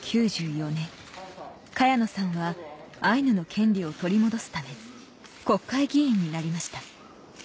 １９９４年萱野さんはアイヌの権利を取り戻すため国会議員になりました